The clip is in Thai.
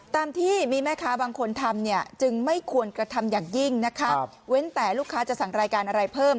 ตามที่มีแม่ค้าบางคนทำเนี่ยจึงไม่ควรกระทำอย่างยิ่งนะคะเว้นแต่ลูกค้าจะสั่งรายการอะไรเพิ่ม